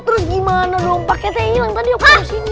terus gimana dong paketnya hilang tadi yang aku taruh sini